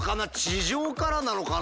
地上からなのかな？